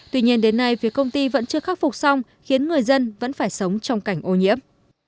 tuy nhiên đến nay phía công ty vẫn chưa khắc phục xong khiến người dân vẫn phải sống trong cảnh ô nhiễm